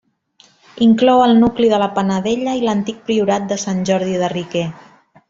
Inclou el nucli de la Panadella i l'antic priorat de Sant Jordi de Riquer.